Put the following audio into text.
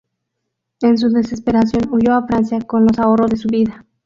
En su desesperación, huyó a Francia con los ahorros de su vida.